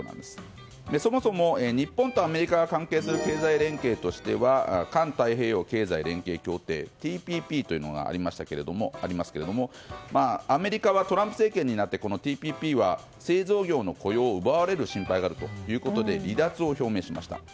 そもそも、日本とアメリカが関係する経済連携としては環太平洋経済連携協定ＴＰＰというものがありますがアメリカはトランプ政権になってＴＰＰは製造業の雇用を奪われる心配があるということで離脱を表明しました。